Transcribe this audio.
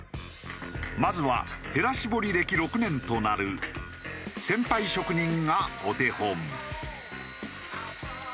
まずはへら絞り歴６年となる先輩職人がお手本。